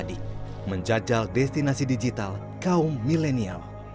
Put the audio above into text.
adi menjajal destinasi digital kaum milenial